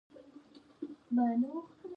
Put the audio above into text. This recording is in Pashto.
چې ساکي پښتنو په دویم مهاجرت کې،